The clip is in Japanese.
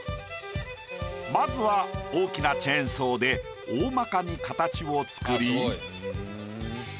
まずは大きなチェーンソーで大まかに形を作り。